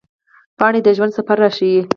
پاڼې د ژوند سفر راښيي